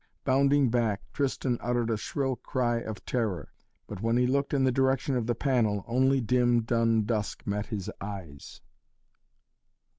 Bounding back, Tristan uttered a shrill cry of terror, but when he looked in the direction of the panel only dim dun dusk met his eyes.